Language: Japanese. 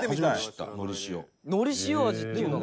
玉森：のり塩味っていうのが。